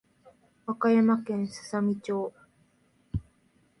和歌山県すさみ町